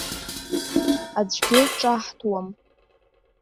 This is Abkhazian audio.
Аӡәгьы ҿаҳҭуам.